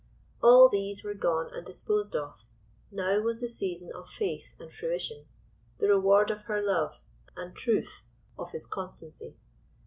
All these were gone and disposed of; now was the season of faith and fruition—the reward of her love, and truth—of his constancy.